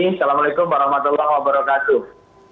assalamualaikum warahmatullahi wabarakatuh